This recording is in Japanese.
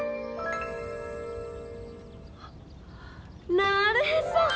あなるへそ！